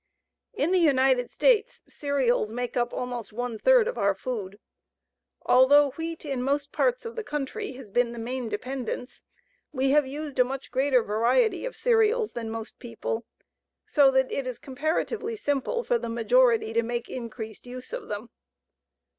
In the United States cereals make up almost one third of our food. Although wheat in most parts of the country has been the main dependence, we have used a much greater variety of cereals than most people, so that it is comparatively simple for the majority to make increased use of them.